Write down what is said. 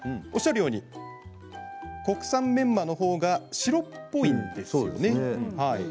おっしゃるように国産メンマのほうが白っぽいんですね。